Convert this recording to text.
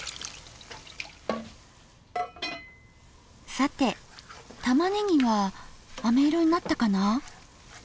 さてたまねぎはあめ色になったかな？